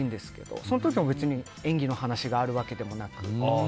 そういう時も別に演技の話があるわけでもなく。